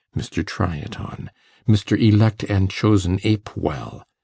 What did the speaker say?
MR. TRY IT ON!!! Mr. Elect and Chosen Apewell